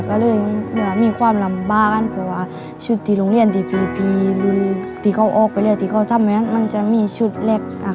ก็เลยมีความลำบากกันเพราะว่าชุดที่โรงเรียนที่ปีที่เขาออกไปแล้วที่เขาทำไว้นั้นมันจะมีชุดเล็กอ่ะค่ะ